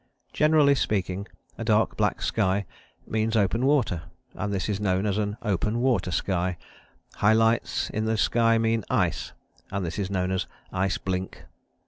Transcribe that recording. Generally speaking, a dark black sky means open water, and this is known as an open water sky; high lights in the sky mean ice, and this is known as ice blink.